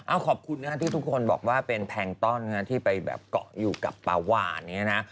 เอาขอบคุณนะที่ทุกคนบอกว่าเป็นแพงต้อนที่ไปแบบเกาะอยู่กับปลาหวานอย่างนี้นะ